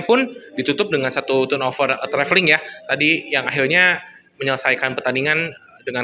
pun ditutup dengan satu turnover traveling ya tadi yang akhirnya menyelesaikan pertandingan dengan